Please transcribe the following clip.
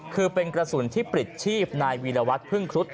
คือเป็นกระสุนที่ปลิดชีพนายวีรวัตรพึ่งครุฑ